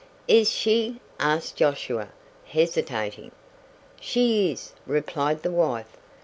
"Is she?" asked Josiah, hesitating. "She is," replied the wife.